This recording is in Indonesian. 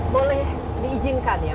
boleh diizinkan ya